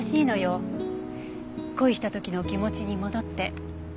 恋した時の気持ちに戻って。